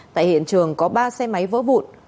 tại hiện trường có ba xe máy vỡ vụn